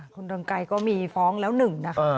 คุณเรืองไกรก็มีฟ้องแล้วหนึ่งนะคะ